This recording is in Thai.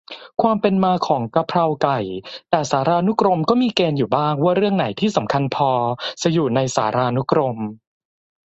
ความเป็นมาของกะเพราไก่ แต่สารานุกรมก็มีเกณฑ์อยู่บ้าง ว่าเรื่องไหนที่ "สำคัญพอ" จะอยู่ในสารานุกรม